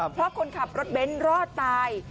เพราะคนขับรถเบ้นรอดตาย